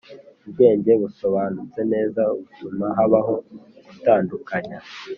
Ubwenge busobanutse neza butuma habaho gutandukanya.